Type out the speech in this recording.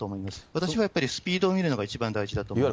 私はやっぱりスピードを見るのが一番大事だと思います。